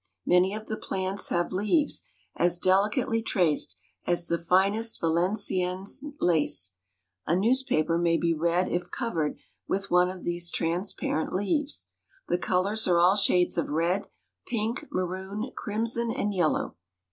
Many of the plants have leaves as delicately traced as the finest valenciennes laces. A newspaper may be read if covered with one of these transparent leaves. The colors are all shades of red, pink, maroon, crimson and yellow.